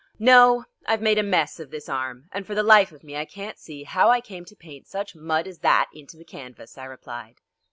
"No, I've made a mess of this arm, and for the life of me I can't see how I came to paint such mud as that into the canvas," I replied.